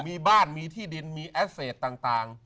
มีบ้านมีที่ดินมีแอสเซจต่าง